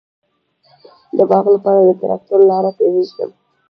د باغ لپاره د تراکتور لاره پریږدم؟